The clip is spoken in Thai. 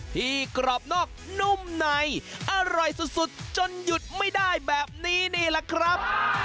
กรอบนอกนุ่มในอร่อยสุดจนหยุดไม่ได้แบบนี้นี่แหละครับ